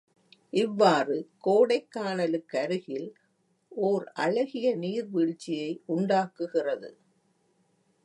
இவ்வாறு கோடைக்கானலுக்கருகில் ஓர் அழகிய நீர்வீழ்ச்சியை உண்டாக்குகிறது.